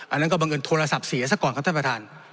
อันนั้นก็บังเอิญโทรศัพท์เสียซะก่อนครับท่านประธาน